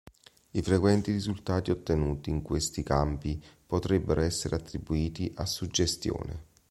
I frequenti risultati ottenuti in questi campi potrebbero essere attribuiti a suggestione.